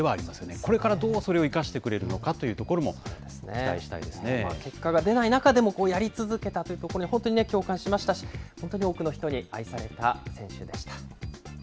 これからどうそれを生かしてくれるのかというところも期待したい結果が出ない中でもやり続けたこと、本当に共感しましたし、本当に多くの人に愛された選手でした。